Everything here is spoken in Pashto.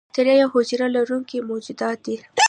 بکتیریا یوه حجره لرونکي موجودات دي.